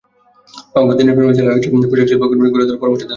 রংপুর, দিনাজপুরের মতো জেলায় তৈরি পোশাকশিল্পপল্লি গড়ে তোলার পরামর্শ দেন তিনি।